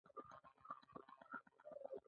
کوچ غوړ لري